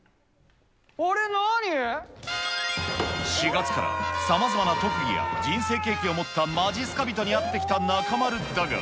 ４月からさまざまな特技や人生経験を持ったまじっすか人に会ってきた中丸だが。